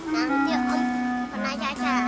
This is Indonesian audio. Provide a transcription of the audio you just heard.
nanti om pernah cacat